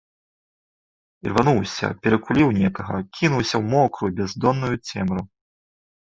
Ірвануўся, перакуліў некага, кінуўся ў мокрую, бяздонную цемру.